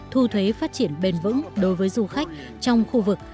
thu thuế phát triển bền vững đối với du khách trong khu vực